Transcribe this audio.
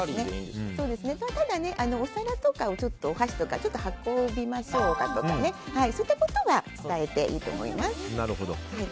ただ、お皿とかお箸とかを運びましょうかとかそういったことは伝えていいと思います。